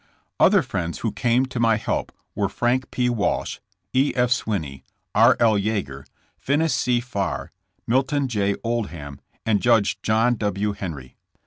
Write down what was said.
'' Other friends who came to my help were Frank P. Walsh, E. F. Swinney, R. L. Yeager, Finis C. Farr, Milton J. Oldham and Judge John W. Henry.